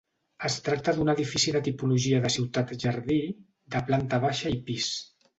Es tracta d'un edifici de tipologia de ciutat-jardí de planta baixa i pis.